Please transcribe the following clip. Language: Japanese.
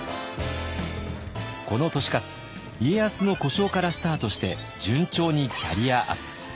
この利勝家康の小姓からスタートして順調にキャリアアップ。